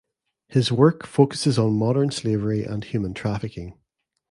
His work focuses on modern slavery and human trafficking.